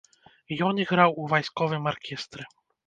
Ён іграў у вайсковым аркестры.